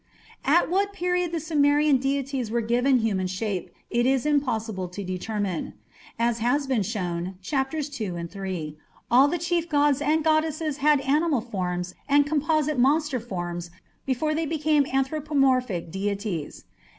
At what period the Sumerian deities were given human shape it is impossible to determine. As has been shown (Chapters II and III) all the chief gods and goddesses had animal forms and composite monster forms before they became anthropomorphic deities.